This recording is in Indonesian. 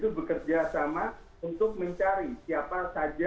itu bekerja sama untuk mencari siapa saja warga negara indonesia